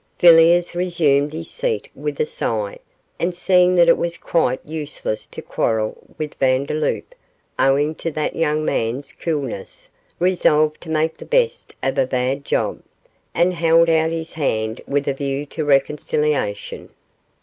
Villiers resumed his seat with a sigh, and seeing that it was quite useless to quarrel with Vandeloup, owing to that young man's coolness, resolved to make the best of a bad job, and held out his hand with a view to reconciliation.